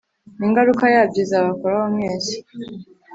ingaruka yabyo izabakoraho mwese